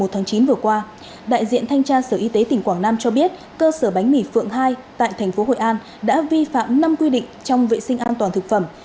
tháng chín vừa qua đại diện thanh tra sở y tế tỉnh quảng nam cho biết cơ sở bánh mì phượng hai tại thành phố hội an đã vi phạm năm quy định trong vệ sinh an toàn thực phẩm